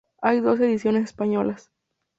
Hay dos ediciones españolas.